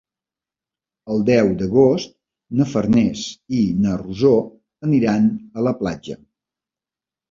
El deu d'agost na Farners i na Rosó aniran a la platja.